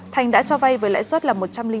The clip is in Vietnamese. thành đã cho vay với lãi suất là một trăm linh một bốn